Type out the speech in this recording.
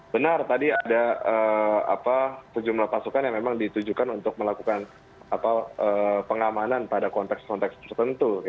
benar tadi ada sejumlah pasukan yang memang ditujukan untuk melakukan pengamanan pada konteks konteks tertentu